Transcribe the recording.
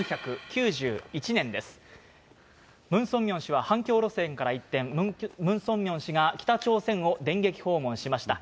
ムン・ソンミョン氏は反共路線から一転、ムン・ソンミョン氏が北朝鮮を電撃訪問しました。